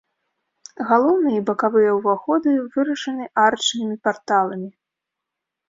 Галоўны і бакавыя ўваходы вырашаны арачнымі парталамі.